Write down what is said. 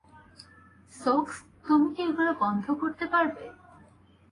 সোকস, তুমি কি এগুলোকে বন্ধ করতে পারবে?